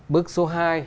bức số hai